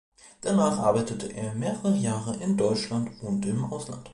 Danach arbeitete er mehrere Jahre in Deutschland und im Ausland.